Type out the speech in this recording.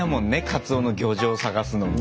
カツオの漁場探すのも。